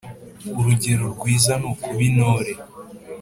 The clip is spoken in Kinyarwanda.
urugero rwiza nukuba intore